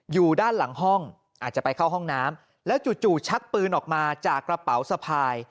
อยู่ด้านหลังห้องอาจจะไปเข้าห้องน้ำแล้วจู่ชักปืนออกมาจากกระเป๋าสะพาย